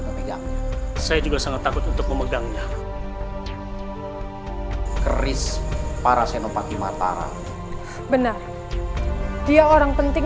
pemegang saya juga sangat takut untuk memegangnya keris para senopati matara benar dia orang penting